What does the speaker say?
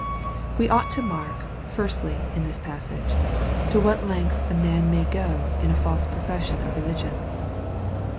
We ought to mark, firstly, in this passage, to what lengths a man may go in a false profession of religion.